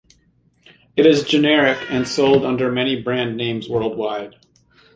It is generic and sold under many brand names worldwide.